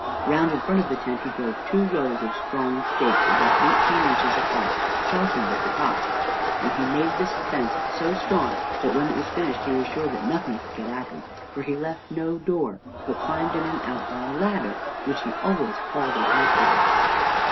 Round in front of the tent he drove two rows of strong stakes, about eighteen inches apart, sharpened at top; and he made this fence so strong that when it was finished he was sure that nothing could get at him, for he left no door, but climbed in and out by a ladder, which he always hauled up after him.